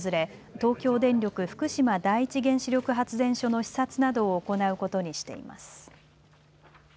東京電力福島第一原子力発電所の視察などを行うことにしています。